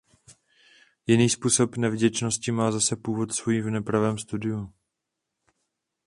Jiný způsob nevděčnosti má zase původ svůj v nepravém studu.